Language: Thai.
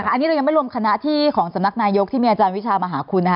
อันนี้เรายังไม่รวมคณะที่ของสำนักนายกที่มีอาจารย์วิชามาหาคุณนะคะ